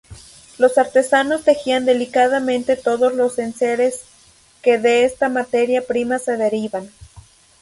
Los artesanos tejían delicadamente todos los enseres que de esta materia prima se derivan.